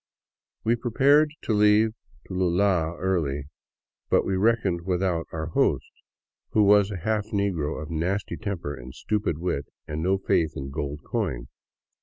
We prepared to leave Tulua early, but we reckoned without our host, who was a half negro of nasty temper and stupid wit, and no faith in gold coin.